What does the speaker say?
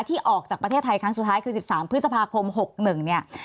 ที่ออกจากประเทศไทยครั้งสุดท้ายคือ๑๓พฤษภาคม๖๑เนี่ย